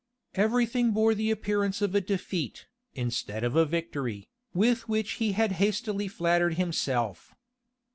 Every thing bore the appearance of a defeat, instead of a victory, with which he had hastily flattered himself.